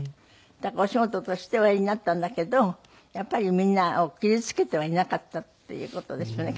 お仕事としておやりになったんだけどやっぱりみんなを傷つけてはいなかったっていう事ですよね